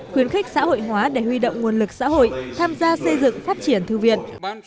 khuyến khích xã hội hóa để huy động nguồn lực xã hội tham gia xây dựng phát triển thư viện